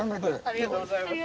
ありがとうございます。